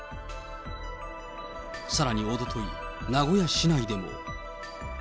さらにおととい、名古屋市内でも。